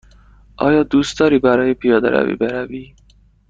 آیا دوست داری برای پیاده روی بروی؟